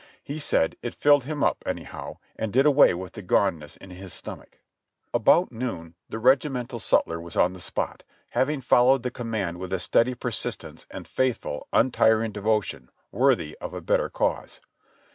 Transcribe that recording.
He said "it filled him up, anyhow, and did away with the goneness in his stomach." About noon the regimental sutler was on the spot, having fol lowed the command with a steady persistence and faithful, un tiring devotion worthy of a better cause.